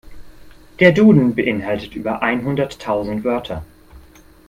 Der Duden beeinhaltet über einhunderttausend Wörter.